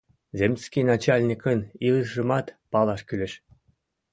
Земский начальникын илышыжымат палаш кӱлеш.